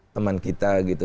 teman kita gitu